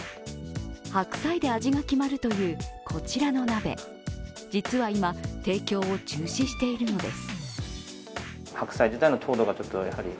白菜で味が決まるというこちらの鍋、実は今、提供を中止しているのです。